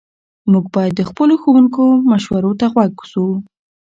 موږ باید د خپلو ښوونکو مشورو ته غوږ سو.